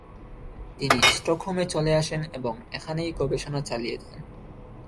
তিনি স্টকহোমে চলে আসেন এবং এখানেই গবেষণা চালিয়ে যান।